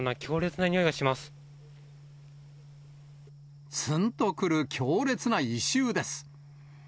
つんとくる強烈な異臭です。